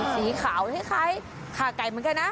สีขาวคล้ายขาไก่เหมือนกันนะ